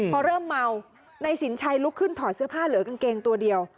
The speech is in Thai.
พอเริ่มเมานายสินชัยลุกขึ้นถอดเสื้อผ้าเหลือกางเกงตัวเดียว